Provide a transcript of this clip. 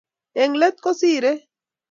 Eng let kosirei